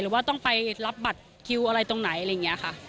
ว่าต้องไปรับบัตรคิวอะไรตรงไหนอะไรอย่างนี้ค่ะ